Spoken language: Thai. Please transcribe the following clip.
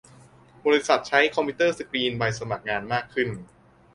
บริษัทใช้คอมพิวเตอร์สกรีนใบสมัครงานมากขึ้น